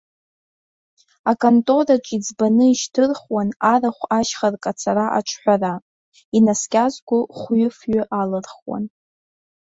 Аконтораҿ иӡбаны ишьҭырхуан арахә ашьха ркацара аҿҳәара, инаскьазго хәҩы-фҩы алырхуан.